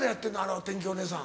お天気お姉さん。